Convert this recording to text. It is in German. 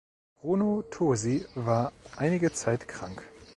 Bruno Tosi war einige Zeit krank.